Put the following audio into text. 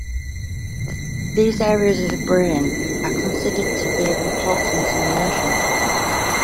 These areas of the brain are considered to be of importance in emotion.